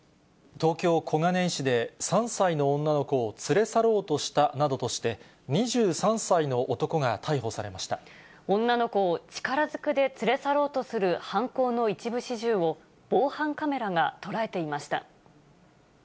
東京・小金井市で、３歳の女の子を連れ去ろうとしたなどとして、２３歳の男が逮捕さ女の子を力ずくで連れ去ろうとする犯行の一部始終を防犯カメラが捉えていました。